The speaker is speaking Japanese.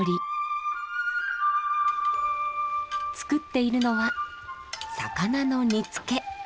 作っているのは魚の煮つけ。